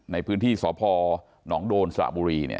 ในพื้นที่สพหนองโดนสระบุรี